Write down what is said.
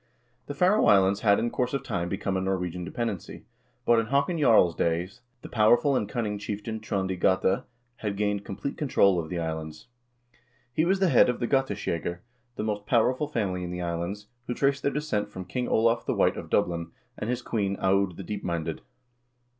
The Faroe Islands had in course of time become a Norwegian dependency, but in Haakon Jarl's days the powerful and cunning chieftain Trond i Gata had gained complete control of the islands. He was the head of the Gateskjegger, the most powerful family in the islands, who traced their descent from King Olav the White of Dublin, and his queen, Aud the Deepminded.